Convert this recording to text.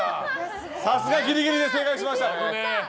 さすがギリギリで正解しましたね。